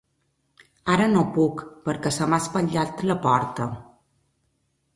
Ara no puc perquè se m'ha espatllat la porta.